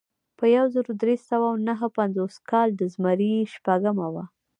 په یو زر درې سوه نهه پنځوس کال د زمري شپږمه وه.